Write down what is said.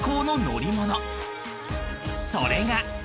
［それが］